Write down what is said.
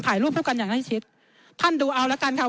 ถ่ายรูปคู่กันอย่างใกล้ชิดท่านดูเอาละกันค่ะ